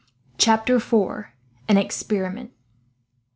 Chapter 4: An Experiment.